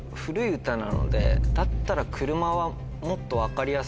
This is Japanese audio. だったらもっと。